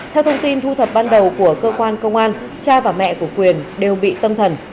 theo thông tin thu thập ban đầu của cơ quan công an cha và mẹ của quyền đều bị tâm thần